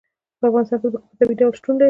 په افغانستان کې ځمکه په طبیعي ډول شتون لري.